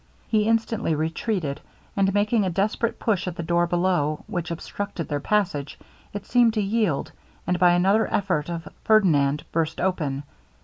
He instantly retreated; and making a desperate push at the door below, which obstructed their passage, it seemed to yield, and by another effort of Ferdinand, burst open.